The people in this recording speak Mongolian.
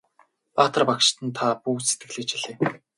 Баатар багштан та бүү сэтгэлээ чилээ!